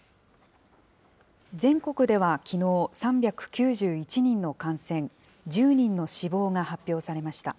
全国ではきのう、３９１人の感染、１０人の死亡が発表されました。